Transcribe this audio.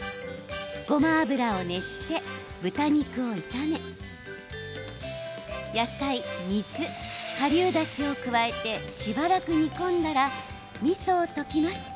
ごま油を熱して豚肉を炒め野菜、水、かりゅうだしを加えてしばらく煮込んだらみそを溶きます。